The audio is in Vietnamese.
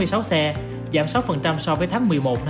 xu hướng do số giảm liên tiếp của các tháng gần đây